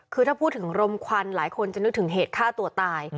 คือถ้าพูดถึงรมควันหลายคนจะนึกถึงเหตุฆ่าตัวตาย